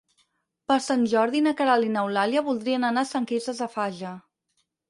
Per Sant Jordi na Queralt i n'Eulàlia voldrien anar a Sant Quirze Safaja.